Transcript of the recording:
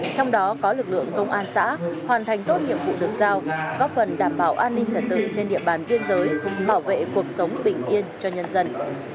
trong đó có lực lượng công an xã hoàn thành tốt nhiệm vụ được giao góp phần đảm bảo an ninh trật tự trên địa bàn biên giới bảo vệ cuộc sống bình yên cho nhân dân